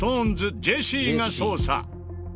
ジェシーが捜査。